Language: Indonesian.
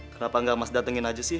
kenapa nggak mas datengin aja sih